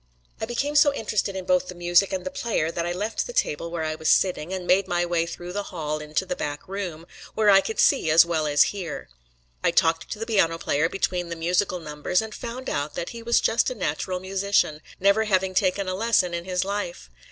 I became so interested in both the music and the player that I left the table where I was sitting, and made my way through the hall into the back room, where I could see as well as hear. I talked to the piano player between the musical numbers and found out that he was just a natural musician, never having taken a lesson in his life.